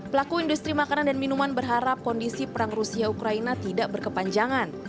pelaku industri makanan dan minuman berharap kondisi perang rusia ukraina tidak berkepanjangan